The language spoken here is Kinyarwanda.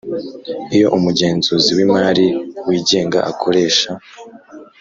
Iyo umugenzuzi w imari wigenga akoresha